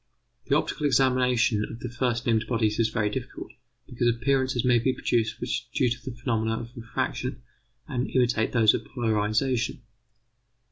The optical examination of the first named bodies is very difficult, because appearances may be produced which are due to the phenomena of refraction and imitate those of polarization.